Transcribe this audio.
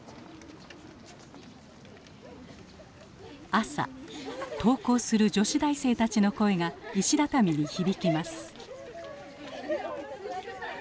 朝登校する女子大生たちの声が石だたみに響きます。